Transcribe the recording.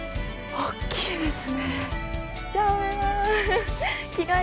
大きいですねえ。